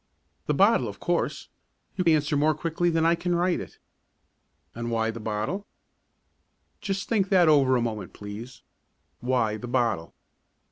The bottle, of course. You answer more quickly than I can write it. And why the bottle? Just think that over a moment, please. Why the bottle?